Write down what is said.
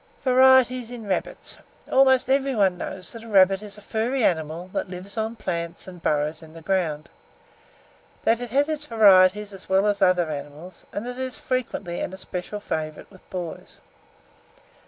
VARIETIES IN RABBITS. Almost everybody knows that a rabbit is a furry animal, that lives on plants, and burrows in the ground; that it has its varieties as well as other animals, and that it is frequently an especial favourite with boys.